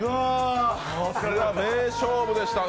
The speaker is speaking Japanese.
名勝負でしたね。